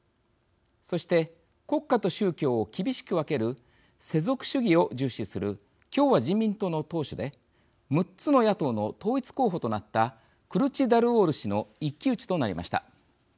そして国家と宗教を厳しく分ける世俗主義を重視する共和人民党の党首で６つの野党の統一候補となったクルチダルオール氏の一騎打ちとなりました。